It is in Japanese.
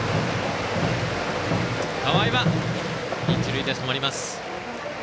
河合は一塁で止まります。